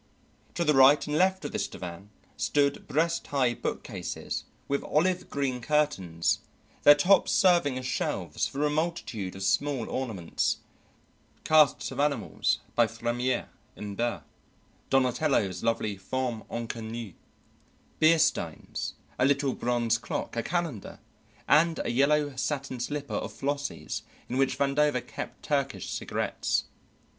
To the right and left of this divan stood breast high bookcases with olive green curtains, their tops serving as shelves for a multitude of small ornaments, casts of animals by Fremiet and Barye, Donatello's lovely femme inconnue, beer steins, a little bronze clock, a calendar, and a yellow satin slipper of Flossie's in which Vandover kept Turkish cigarettes.